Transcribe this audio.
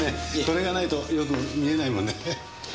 これがないとよく見えないもので。